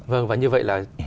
vâng và như vậy là